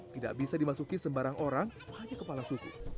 tidak bisa dimasuki sembarang orang hanya kepala suku